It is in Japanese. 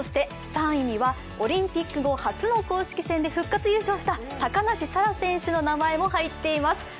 ３位にはオリンピック後初の公式戦で復活優勝した高梨沙羅選手の名前も入っています。